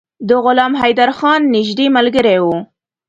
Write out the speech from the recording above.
د غلام حیدرخان نیژدې ملګری وو.